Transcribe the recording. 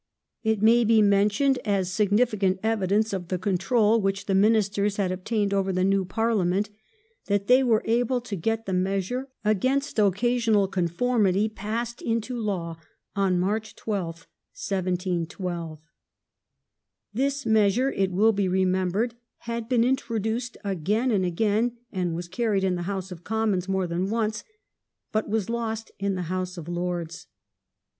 It may be mentioned as significant evidence of the control which the Ministers had obtained over the new Parhament that they were able to get the measure against Occasional Conformity passed into law on March 12, 1712. This measure, it will be re membered, had been introduced again and again, and was carried in the House of Commons more than once, but was lost in the House of Lords.